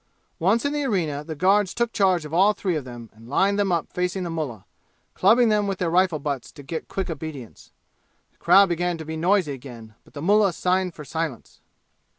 Once in the arena, the guards took charge of all three of them and lined them up facing the mullah, clubbing them with their rifle butts to get quick obedience. The crowd began to be noisy again, but the mullah signed for silence.